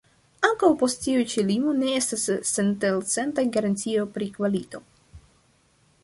Ankaŭ post tiu ĉi limo ne estas centelcenta garantio pri kvalito.